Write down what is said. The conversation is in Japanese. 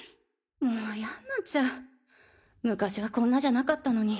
もういやになっちゃう昔はこんなじゃなかったのに。